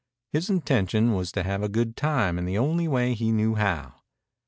His intention was to have a good time in the only way he knew how.